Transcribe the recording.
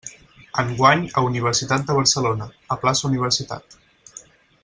Enguany a Universitat de Barcelona, a Plaça Universitat.